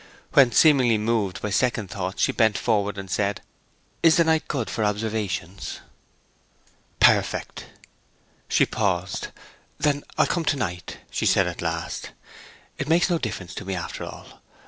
Then seemingly moved by second thoughts she bent forward and said, 'Is the night good for observations?' 'Perfect.' She paused. 'Then I'll come to night,' she at last said. 'It makes no difference to me, after all.